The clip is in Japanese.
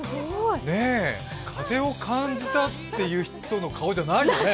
風を感じたっていう人の顔じゃないよね。